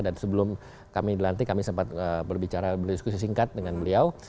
dan sebelum kami dilantik kami sempat berbicara berdiskusi singkat dengan beliau